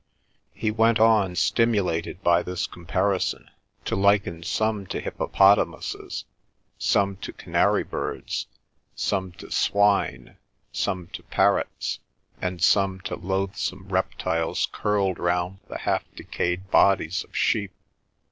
He went on, stimulated by this comparison, to liken some to hippopotamuses, some to canary birds, some to swine, some to parrots, and some to loathsome reptiles curled round the half decayed bodies of sheep.